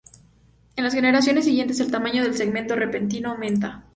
En las generaciones siguientes el tamaño del segmento repetido aumenta.